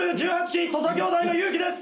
期土佐兄弟の有輝です。